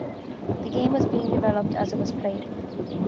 The game was being developed as it was played.